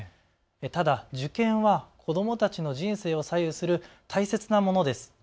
ただ受験は子どもたちの人生を左右する大切なものです。